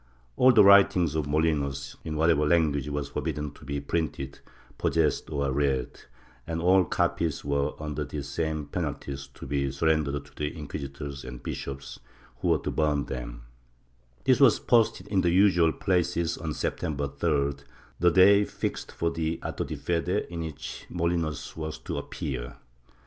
All the writings of Molinos, in whatever language, were forbidden to be printed, possessed or read, and all copies were, under the same penalties, to be surrendered to the inquisitors or bishops, who were to burn them/ This was posted in the usual places on September 3d, the day fixed for the atto di fede in which Molinos was to appear.